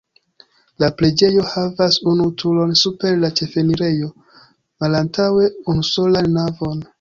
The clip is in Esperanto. La preĝejo havas unu turon super la ĉefenirejo, malantaŭe unusolan navon.